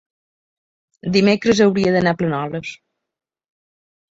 dimecres hauria d'anar a Planoles.